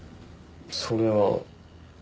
それは。